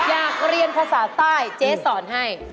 อยากเรียนภาษาใต้เจ๊สอนให้